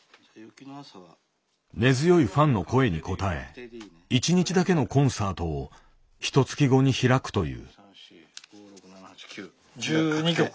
根強いファンの声に応え１日だけのコンサートをひとつき後に開くという。